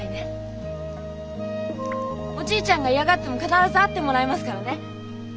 おじいちゃんが嫌がっても必ず会ってもらいますからね。